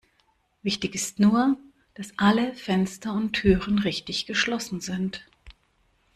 Wichtig ist nur, dass alle Fenster und Türen richtig geschlossen sind.